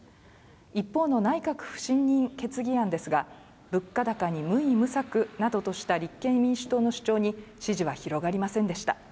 一方の内閣不信任決議案ですが、物価高に無為無策とした立憲民主党の主張に支持は広がりませんでした。